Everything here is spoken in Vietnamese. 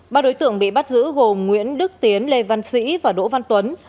ba đối tượng bị bắt giữ gồm nguyễn đức tiến lê văn sĩ và đỗ văn tuấn